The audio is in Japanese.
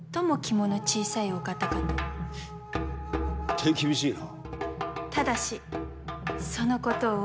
手厳しいな。